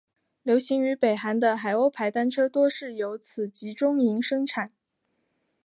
流行于北韩的海鸥牌单车多是由此集中营生产。